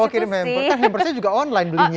oh kirim hamper kan hampersnya juga online belinya